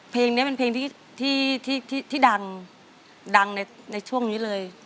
เพลงนี้เป็นเพลงที่ดังในช่วงนี้เลย